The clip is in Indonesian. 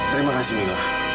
terima kasih milang